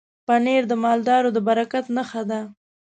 پنېر د مالدارو د برکت نښه ده.